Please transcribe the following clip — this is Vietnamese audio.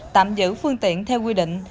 tạm giữ phương tiện theo quy định